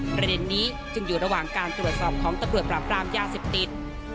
ประเด็นนี้จึงอยู่ระหว่างการตรวจสอบของตำรวจปราบรามยาเสพติด